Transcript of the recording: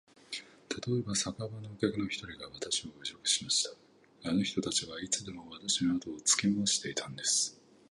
たとえば、酒場のお客の一人がわたしを侮辱しました。あの人たちはいつでもわたしのあとをつけ廻していたんです。